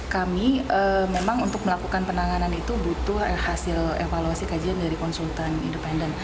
kami memang untuk melakukan penanganan itu butuh hasil evaluasi kajian dari konsultan independen